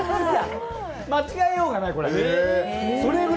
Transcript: いや、間違えようがない、これ。